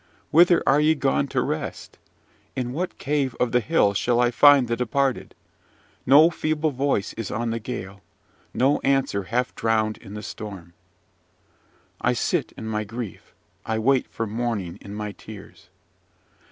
Whither are ye gone to rest? In what cave of the hill shall I find the departed? No feeble voice is on the gale: no answer half drowned in the storm! "I sit in my grief: I wait for morning in my tears!